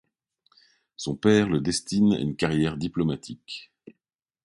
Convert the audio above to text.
Son père le destine à une carrière diplomatique.